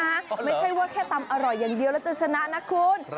ไม่ใช่ว่าแค่ตำอร่อยอย่างเดียวแล้วจะชนะนะคุณ